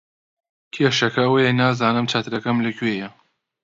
کێشەکە ئەوەیە نازانم چەترەکەم لەکوێیە.